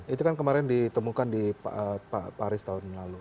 itu kan kemarin ditemukan di paris tahun lalu